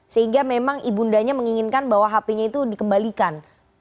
sehingga memang ibu undanya menginginkan bahwa hp nya itu dikembalikan